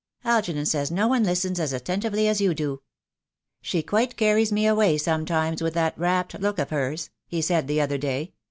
"Algernon says no one listens as attentively as you do. 'She quite carries me away sometimes with that rapt look of hers,' he said the other day.